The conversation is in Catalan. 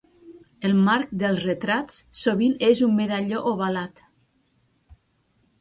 El marc dels retrats, sovint és un medalló ovalat.